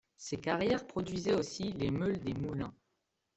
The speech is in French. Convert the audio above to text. Ces carrières produisaient aussi les meules des moulins.